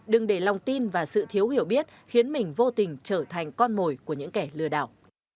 đừng để lòng tin và sự thiếu hiểu biết khiến mình vô tình trở thành con mồi của những kẻ lừa đảo